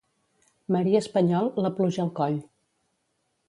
Marí espanyol, la pluja al coll.